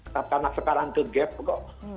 karena sekarang ke gap kok